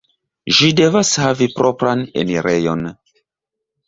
Ĝi devas havi propran enirejon.